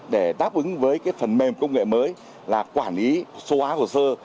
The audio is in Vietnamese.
để đáp ứng với phần mềm công nghệ mới là quản lý số hóa hồ sơ